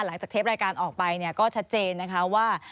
หลังจากเทปรายการออกไปก็ชัดเจนนะคะว่า